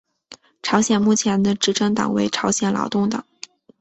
朝鲜目前的执政党为朝鲜劳动党。